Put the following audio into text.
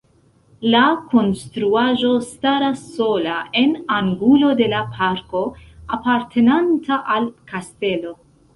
La konstruaĵo staras sola en angulo de la parko apartenanta al kastelo.